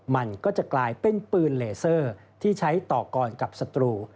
มันก็จะกลายเป็นปืนเลเซอร์ที่ใช้ต่อกรกับศัตรู